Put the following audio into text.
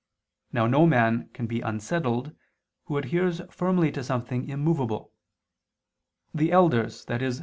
Now no man can be unsettled, who adheres firmly to something immovable. The elders, i.e.